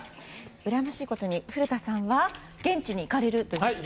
うらやましいことに古田さんは現地に行かれるんですね。